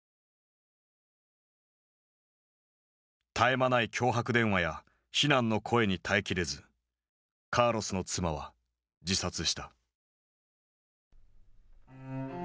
絶え間ない脅迫電話や非難の声に耐え切れずカーロスの妻は自殺した。